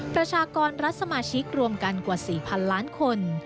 ประชากรรัฐสมาชิกรวมกันกว่า๔๐๐๐ล้านคน